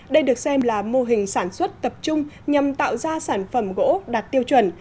đây được xem là mô hình sản xuất tập trung nhằm tạo ra sản phẩm gỗ đạt tiêu chuẩn